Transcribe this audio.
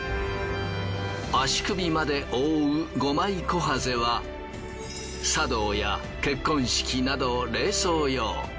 足首まで覆う５枚こはぜは茶道や結婚式など礼装用。